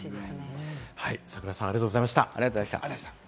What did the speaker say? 櫻井さん、ありがとうございました。